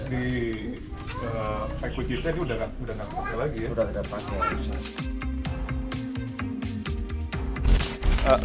sudah tidak dipakai